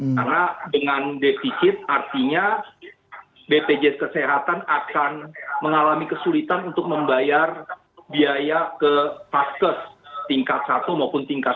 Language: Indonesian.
karena dengan defisit artinya bpjs kesehatan akan mengalami kesulitan untuk membayar biaya ke paskes tingkat satu maupun tingkat dua